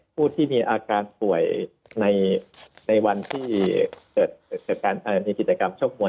ผู้ที่มีอาการป่วยในวันที่เกิดการมีกิจกรรมชกมวย